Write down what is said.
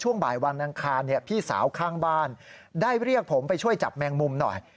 บ่ายวันอังคารพี่สาวข้างบ้านได้เรียกผมไปช่วยจับแมงมุมหน่อย